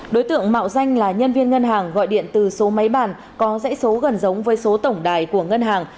đối tượng mạo danh là nhân viên ngân hàng gọi điện từ số máy bàn có dãy số gần giống với số tổng đài của ngân hàng